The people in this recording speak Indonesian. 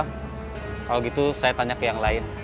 kalau gitu saya tanya ke yang lain